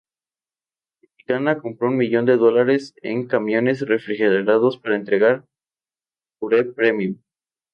Tropicana compró un millón de dólares en camiones refrigerados para entregar Pure Premium.